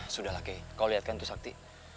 sudahlah kay kau lihat kan itu sakti